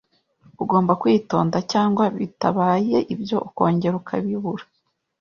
Ugomba kwitonda cyangwa bitabaye ibyo ukongera ukabibura.